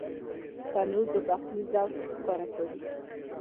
تنور د پخلي ذوق ښکاره کوي